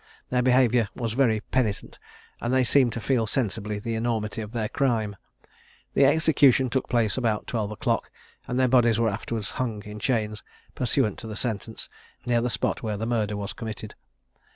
Their behaviour was very penitent, and they seemed to feel sensibly the enormity of their crime. The execution took place about twelve o'clock, and their bodies were afterwards hung in chains, pursuant to sentence, near the spot where the murder was committed.